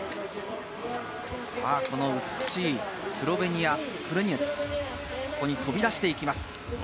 美しい、スロベニアのクリネツ、ここに飛び出していきます。